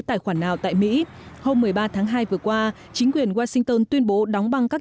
tài khoản nào tại mỹ hôm một mươi ba tháng hai vừa qua chính quyền washington tuyên bố đóng băng các